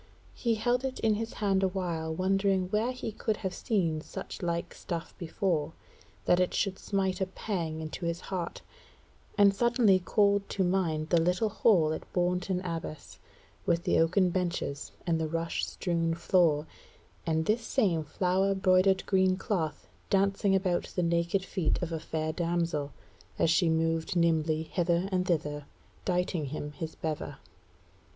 He held it in his hand a while wondering where he could have seen such like stuff before, that it should smite a pang into his heart, and suddenly called to mind the little hall at Bourton Abbas with the oaken benches and the rush strewn floor, and this same flower broidered green cloth dancing about the naked feet of a fair damsel, as she moved nimbly hither and thither dighting him his bever.